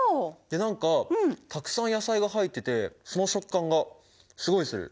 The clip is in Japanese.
何かたくさん野菜が入っててその食感がすごいする！